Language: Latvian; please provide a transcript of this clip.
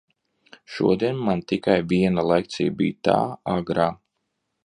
Šodien man tikai viena lekcija bija, tā agrā.